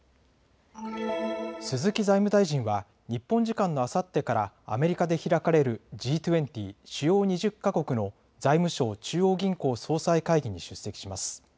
鈴木財務大臣は日本時間のあさってからアメリカで開かれるＧ２０・主要２０か国の財務相・中央銀行総裁会議に出席します。